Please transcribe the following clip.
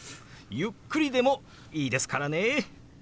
ゆっくりでもいいですからね。